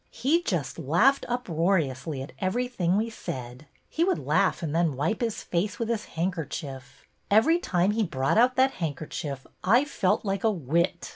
He just laughed uproariously at everything we said. He would laugh and then wipe his face with his handker chief. Every time he brought out that hand kerchief I felt like a wit.